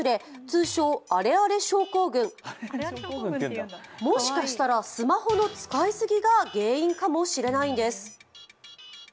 通称・アレアレ症候群もしかしたら、スマホの使いすぎが原因かもしれないんです。